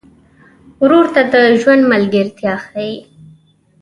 ورور ته د ژوند ملګرتیا ښيي.